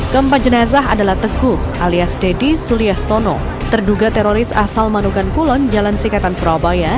keempat jenazah adalah teguh alias deddy suliastono terduga teroris asal manukan kulon jalan sikatan surabaya